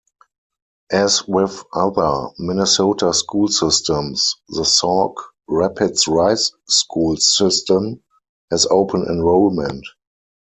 As with other Minnesota school systems, the Sauk Rapids-Rice Schools system has open enrollment.